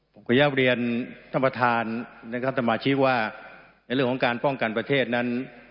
ผมขออนุญาตเรียนท่านประธานนะครับสมาชิกว่าในเรื่องของการป้องกันประเทศนั้น